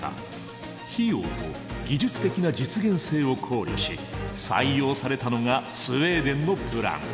費用と技術的な実現性を考慮し採用されたのがスウェーデンのプラン。